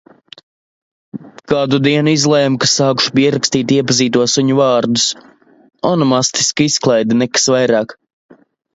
Kādu dienu izlēmu, ka sākšu pierakstīt iepazīto suņu vārdus. Onomastiska izklaide, nekas vairāk.